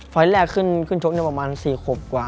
ฟ้อยที่แรกขึ้นชกเนี่ยประมาณ๔ขบกว่า